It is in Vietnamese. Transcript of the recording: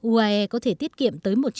uae có thể tiết kiệm năng lượng mặt trời